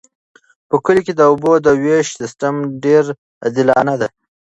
په کلي کې د اوبو د ویش سیستم ډیر عادلانه دی.